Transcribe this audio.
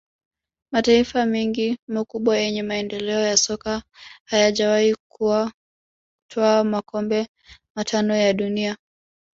Mataifa mengi makubwa yenye maendeleo ya soka hayajawahi kutwaa makombe matano ya dunia